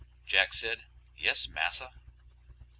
Jack said, "Yes, massa." Mr.